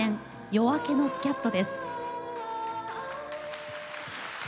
「夜明けのスキャット」